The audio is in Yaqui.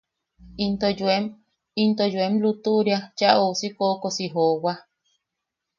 Itom yoem... itom yoem lutuʼuria cheʼa ousi koʼokosi joowa.